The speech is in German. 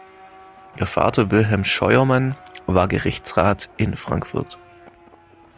Ihr Vater Wilhelm Scheuermann war Gerichtsrat in Frankfurt.